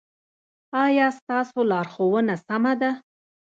ایا ستاسو لارښوونه سمه ده؟